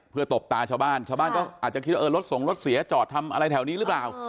เพื่อตบตาชาวบ้านชาวบ้านก็อาจจะคิดว่าเออรถส่งรถเสียจอดทำอะไรแถวนี้หรือเปล่า